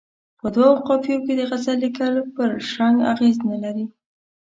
په دوو قافیو کې د غزل لیکل پر شرنګ اغېز نه لري.